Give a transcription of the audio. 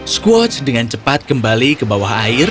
squatch dengan cepat kembali ke bawah air